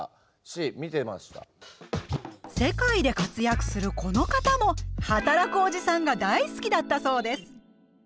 世界で活躍するこの方も「はたらくおじさん」が大好きだったそうです。